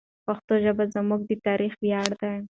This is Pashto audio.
پښتو ژبه زموږ د تاریخ ویاړ دی.